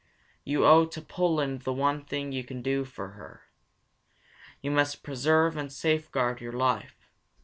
You owe to Poland the one thing you can now do for her. You must preserve and safeguard your life.